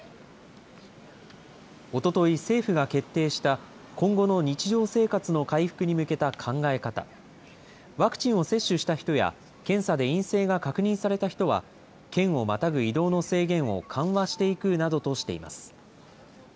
おととい、政府が決定した今後の日常生活の回復に向けた考え方、ワクチンを接種した人や検査で陰性が確認された人は、県をまたぐ移動の制限を緩和していくなどとしています。